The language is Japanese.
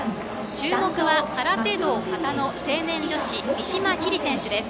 注目は空手道・形の成年女子三島きり選手です。